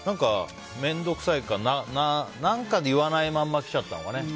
面倒くさいか何かで言わないままきちゃったのかね。